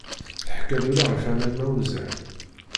Teḥka-d ula ɣef aman ma wezzɛen.